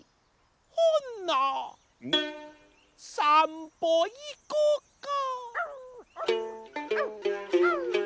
「ほなさんぽいこか」